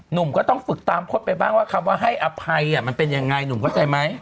หนุ่มก็ต้องฝึกตามพดไปบ้างว่าคำว่าให้อภัยมันเป็นยังไงหนุ่มเข้าใจไหม